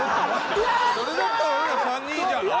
それだったら俺ら３人じゃない？